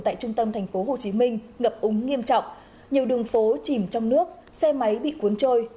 tại trung tâm thành phố hồ chí minh ngập úng nghiêm trọng nhiều đường phố chìm trong nước xe máy bị cuốn trôi